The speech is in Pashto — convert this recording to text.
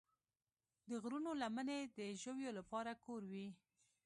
د غرونو لمنې د ژویو لپاره کور وي.